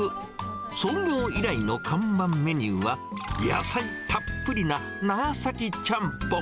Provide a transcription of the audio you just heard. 創業以来の看板メニューは、野菜たっぷりな長崎ちゃんぽん。